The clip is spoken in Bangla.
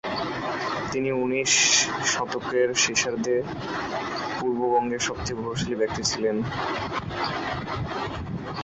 তিনি উনিশ শতকের শেষার্ধে পূর্ববঙ্গের সবচেয়ে প্রভাবশালী ব্যক্তিত্ব ছিলেন।